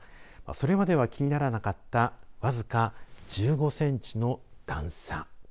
それまでは気にならなかった僅か１５センチの段差。